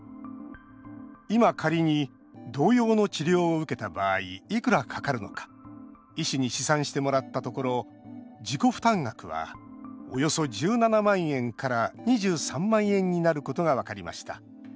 今、仮に同様の治療を受けた場合いくらかかるのか医師に試算してもらったところ自己負担額はおよそ１７万円から２３万円になることが分かりました。